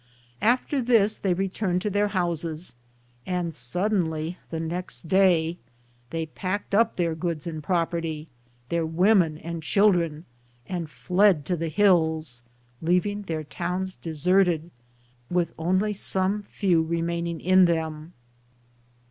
After this they returned to their houses and suddenly, the: next day, they packed up their goods and property, their women and children, and fled to the hills, leaving their towns deserted, with only some few remaining in them.